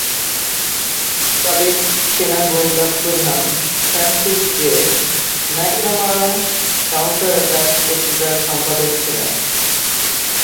সাবেক সেনা গোয়েন্দা প্রধান ফ্রান্সিস জে. ম্যাকনামারা "কাউন্টারঅ্যাট্যাক" পত্রিকার সম্পাদক ছিলেন।